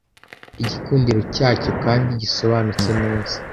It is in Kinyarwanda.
igikundiro cyacyo kandi gisobanutse neza